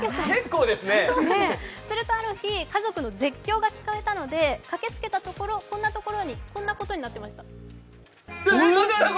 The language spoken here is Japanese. するとある日、家族の絶叫が聞こえたので、駆けつけたところこんなことになってました。